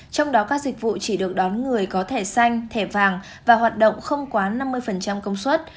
trong đó các dịch vụ chỉ được đón người có thẻ xanh thẻ vàng và hoạt động không quá năm mươi công suất